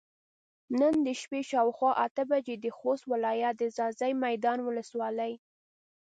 نن د شپې شاوخوا اته بجې د خوست ولايت د ځاځي ميدان ولسوالۍ